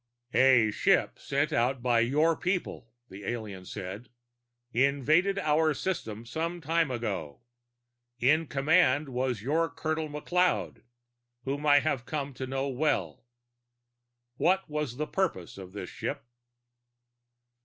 "A ship sent out by your people," the alien said, "invaded our system some time ago. In command was your Colonel McLeod, whom I have come to know well. What was the purpose of this ship?"